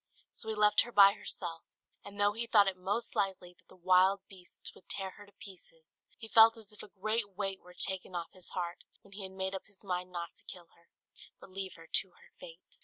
So he left her by herself, and though he thought it most likely that the wild beasts would tear her to pieces, he felt as if a great weight were taken off his heart when he had made up his mind not to kill her, but leave her to her fate.